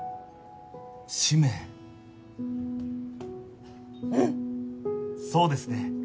使命うんそうですね